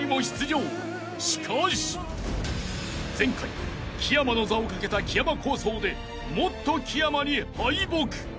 ［しかし］［前回木山の座をかけた木山抗争でもっと木山に敗北］